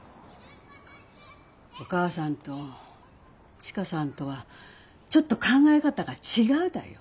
お母さんと千佳さんとはちょっと考え方が違うだよ。